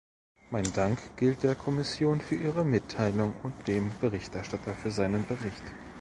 Mein Dank gilt der Kommission für ihre Mitteilung und dem Berichterstatter für seinen Bericht.